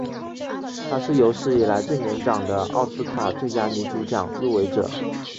她是有史以来最年长的奥斯卡最佳女主角奖入围者。